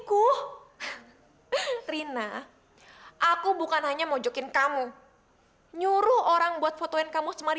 kalau kau sayang sama kamu ya